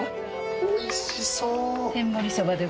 おいしそう。